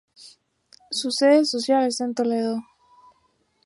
Su sede social está en Toledo.